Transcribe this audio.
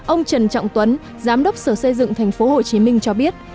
ông trần trọng tuấn giám đốc sở xây dựng thành phố hồ chí minh cho biết